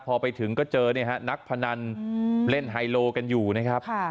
พอไปถึงก็เจอนักพนันเล่นไฮโลกันอยู่นะครับ